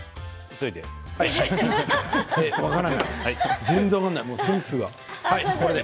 急いで！全然分からない。